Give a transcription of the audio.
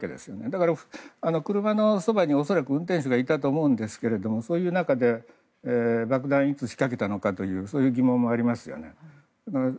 だから、車のそばに恐らく運転手がいたと思うんですがそういう中で爆弾をいつ仕掛けたのかという疑問もありますよね。